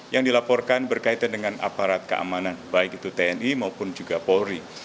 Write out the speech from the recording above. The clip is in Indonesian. yang dilaporkan berkaitan dengan aparat keamanan baik itu tni maupun juga polri